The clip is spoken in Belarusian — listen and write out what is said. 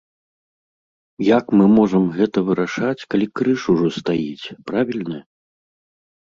Як мы можам гэта вырашаць, калі крыж ужо стаіць, правільна?